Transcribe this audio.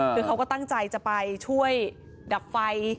คือเขาก็ตั้งใจจะไปช่วยดับไฟ